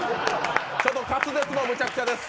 ちょっと滑舌もむちゃくちゃです。